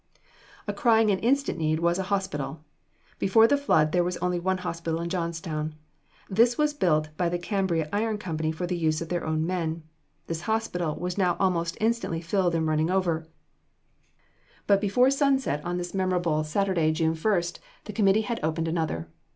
A crying and instant need was a hospital. Before the flood there was only one hospital in Johnstown. This was built by the Cambria Iron Company for the use of their own men. This hospital was now almost instantly filled and running over; but before sunset on this memorable Saturday, June 1st, the committee had opened another.